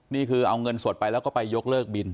นี่คือเอาเงินสดไปแล้วก็ไปยกเลิกบิน